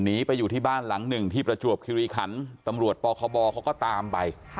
หนีไปอยู่ที่บ้านหลังหนึ่งที่ประจวบคิริขันตำรวจปคบเขาก็ตามไป